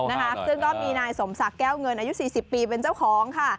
นะคะซึ่งก็มีนายสมศักดิ์แก้วเงินอายุสี่สิบปีเป็นเจ้าของค่ะ